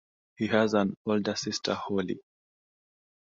He has an older sister, Holly.